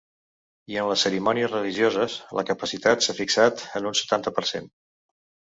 I en les cerimònies religioses, la capacitat s’ha fixat en un setanta per cent.